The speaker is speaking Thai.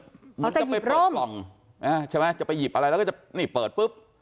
เขาจะหยิบร่มเขาจะไปเปิดกล่องใช่ไหมจะไปหยิบอะไรแล้วก็จะนี่เปิดปุ๊บ